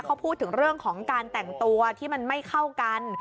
เขาพูดถึงเรื่องของการแต่งตัวที่มันไม่เข้ากัน